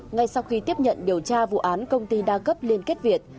ngay sau khi tiếp nhận điều tra vụ án công ty đa cấp liên kết việt